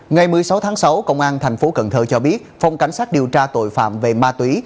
ngày một mươi sáu tháng sáu công an tp cn cho biết phòng cảnh sát điều tra tội phạm về ma túy